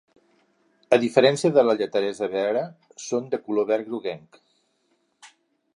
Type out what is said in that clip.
A diferència de la lleteresa vera, són de color verd groguenc.